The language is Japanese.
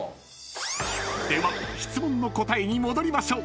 ［では質問の答えに戻りましょう］